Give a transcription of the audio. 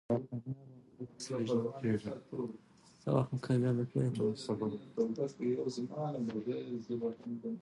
کابل د افغانستان د جغرافیوي تنوع یو څرګند مثال دی.